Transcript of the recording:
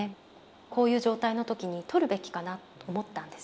こういう状態の時に撮るべきかなと思ったんです。